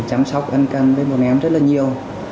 chăm sóc ăn cần với bọn em rất là nhiều